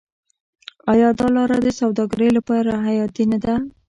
آیا دا لاره د سوداګرۍ لپاره حیاتي نه ده؟